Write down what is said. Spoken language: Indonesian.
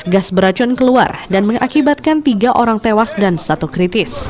gas beracun keluar dan mengakibatkan tiga orang tewas dan satu kritis